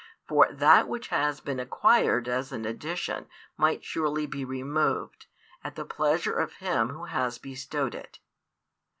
For that which has been acquired as an addition might surely be removed, at the pleasure of Him Who has bestowed it.